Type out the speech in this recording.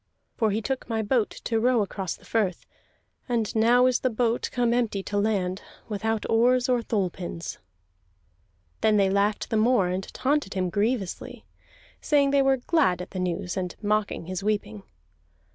"For he took my boat to row across the firth, and now is the boat come empty to land, without oars or thole pins." Then they laughed the more, and taunted him grievously, saying they were glad at the news, and mocking his weeping.